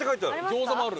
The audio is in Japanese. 餃子もある。